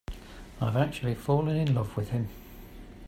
I've actually fallen in love with him.